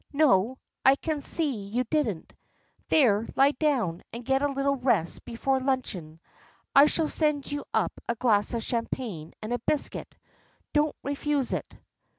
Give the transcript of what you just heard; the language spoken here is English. No. I can see you didn't. There, lie down, and get a little rest before luncheon. I shall send you up a glass of champagne and a biscuit; don't refuse it."